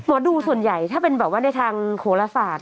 ดูส่วนใหญ่ถ้าเป็นแบบว่าในทางโหลศาสตร์